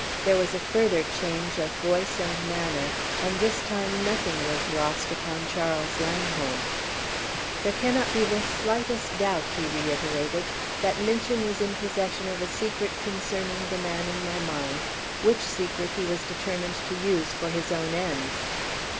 There was a further change of voice and manner; and this time nothing was lost upon Charles Langholm. "There cannot be the slightest doubt," he reiterated, "that Minchin was in possession of a secret concerning the man in my mind, which secret he was determined to use for his own ends."